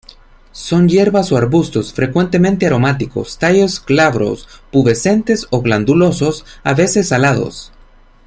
Son hierbas o arbustos, frecuentemente aromáticos; tallos glabros, pubescentes o glandulosos, a veces alados.